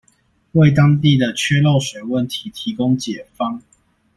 為當地的缺漏水問題提供解方